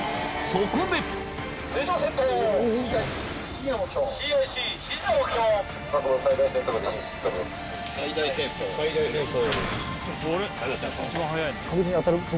そこで最大戦速。